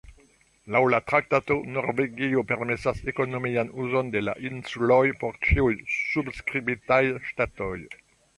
Laŭ la traktato, Norvegio permesas ekonomian uzon de la insuloj por ĉiuj subskribitaj ŝtatoj.